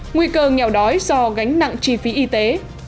nguy cơ nghèo đói do gánh nặng chi phí y tế